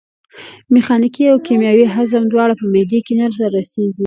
میخانیکي او کیمیاوي هضم دواړه په معدې کې نه رسېږي.